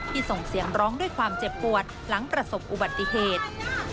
ส่งเสียงร้องด้วยความเจ็บปวดหลังประสบอุบัติเหตุ